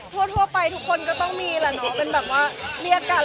ทั่วไปทุกคนก็ต้องมีแหละเนาะเป็นแบบว่าเรียกกัน